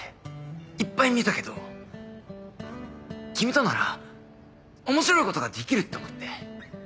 いっぱい見たけど君となら面白いことができるって思って。